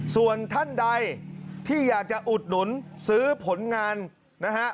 ส่วนท่านใดที่อยากจะอุดหนุนซื้อผลงานนะฮะ